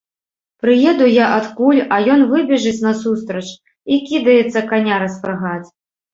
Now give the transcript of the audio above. Прыеду я адкуль, а ён выбежыць насустрач і кідаецца каня распрагаць.